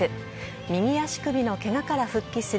右足首のケガから復帰する